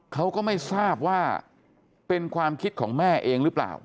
เขาก็ไม่ทราบว่าเป็นความคิดของแม่เองหรือเปล่า